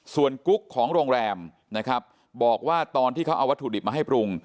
ส่วนกุ๊กของโรงแรมนะครับบอกว่าตอนที่เขาเอาวัตถุดิบมาให้ปรุง